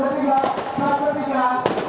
ketiga satu tiga